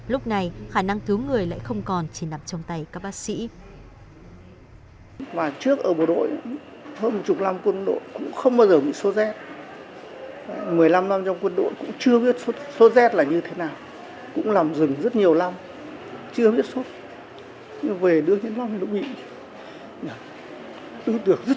vì vậy khả năng cứu người lại không còn chỉ nằm trong tay các bác sĩ